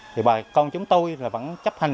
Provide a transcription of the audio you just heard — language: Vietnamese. thì bà con chúng tôi vẫn chấp hành